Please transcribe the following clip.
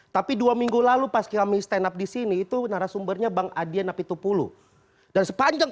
tapi dua minggu lalu pas kami stand up di sini itu narasumbernya bang adian apitupulu dan sepanjang